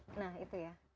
nah itu ya